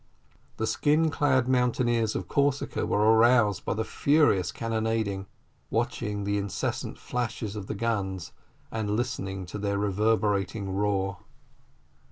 The skin clad mountaineers of Corsica were aroused by the furious cannonading, watching the incessant flashes of the guns, and listening to their reverberating roar.